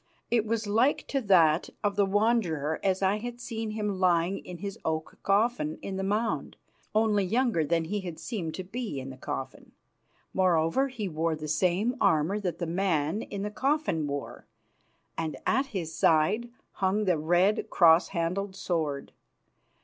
It was like to that of the Wanderer as I had seen him lying in his oak coffin in the mound, only younger than he had seemed to be in the coffin. Moreover, he wore the same armour that the man in the coffin wore, and at his side hung the red, cross handled sword.